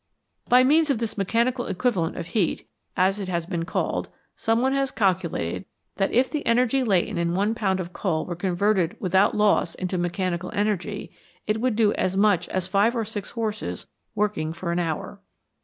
By means of this mechanical equivalent of heat, as it has been called, some one has calculated that if the energy latent in one pound of coal were converted without loss into mechanical energy, it would do as much as five or six horses working for an hour.